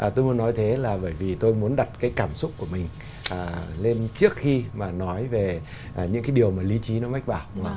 tôi muốn nói thế là bởi vì tôi muốn đặt cái cảm xúc của mình lên trước khi mà nói về những cái điều mà lý trí nó mách bảo